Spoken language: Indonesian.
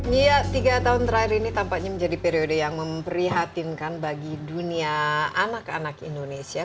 iya tiga tahun terakhir ini tampaknya menjadi periode yang memprihatinkan bagi dunia anak anak indonesia